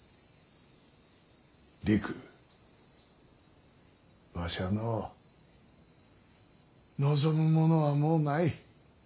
りくわしはのう望むものはもうない。